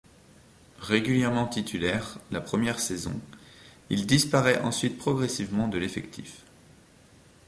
Régulièrement titulaire la première saison, il disparaît ensuite progressivement de l’effectif.